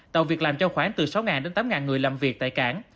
tạo việc làm cho khoảng từ sáu đến tám người làm việc tại cảng